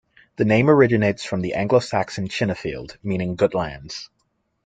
The name originates from the Anglo-Saxon "Chenefield", meaning 'good lands'.